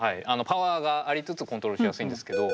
パワーがありつつコントロールしやすいんですけど。